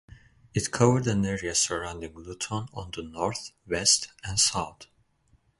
It covered an area surrounding Luton on the north, west and south.